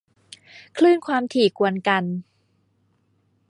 คลื่นความถี่กวนกัน